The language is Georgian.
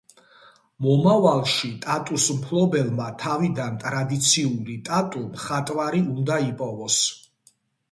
მომავალში ტატუს მფლობელმა თავიდან ტრადიციული ტატუ მხატვარი უნდა იპოვოს.